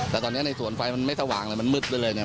แต่ตอนนี้ในส่วนไฟมันไม่สว่างมันมืดด้วยเลย